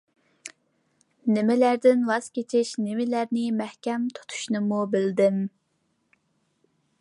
نېمىلەردىن ۋاز كېچىش نېمىلەرنى مەھكەم تۇتۇشنىمۇ بىلدىم.